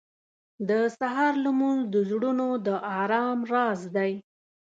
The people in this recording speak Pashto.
• د سهار لمونځ د زړونو د ارام راز دی.